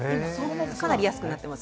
かなり安くなってます。